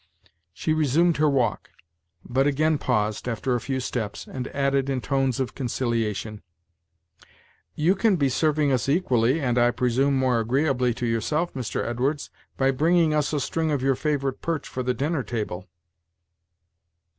She resumed her walk, but again paused, after a few steps, and added, in tones of conciliation: "You can be serving us equally, and, I presume, more agreeably to yourself, Mr. Edwards, by bringing us a string of your favorite perch for the dinner table."